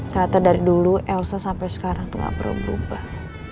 ternyata dari dulu elsa sampai sekarang tuh gak perlu berubah